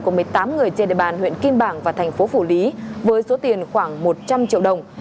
của một mươi tám người trên địa bàn huyện kim bảng và thành phố phủ lý với số tiền khoảng một trăm linh triệu đồng